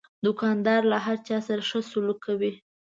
دوکاندار له هر چا سره ښه سلوک کوي.